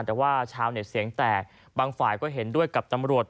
แต่ว่าชาวเน็ตเสียงแตกบางฝ่ายก็เห็นด้วยกับตำรวจ